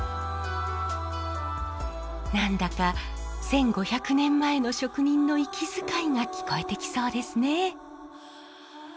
何だか１，５００年前の職人の息遣いが聞こえてきそうですね。